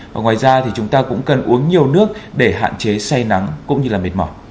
và ngoài ra thì chúng ta cũng cần uống nhiều nước để hạn chế say nắng cũng như là mệt mỏi